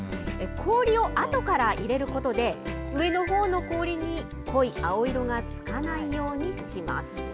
氷をあとから入れることで、上のほうの氷に濃い青色がつかないようにします。